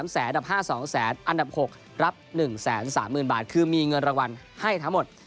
แสนอันดับ๕๒แสนอันดับ๖รับ๑๓๐๐๐บาทคือมีเงินรางวัลให้ทั้งหมด